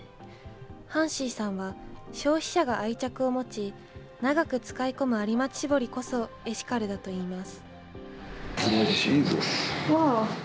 ハンシーさんは、消費者が愛着を持ち、長く使い込む有松絞りこそエシカルだといいます。